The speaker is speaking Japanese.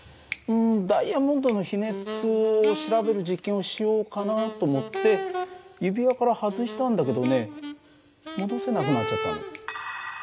ダイヤモンドの比熱を調べる実験をしようかなと思って指輪から外したんだけどね戻せなくなっちゃったの。